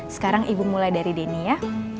sekarang ibu mulai dari denny ya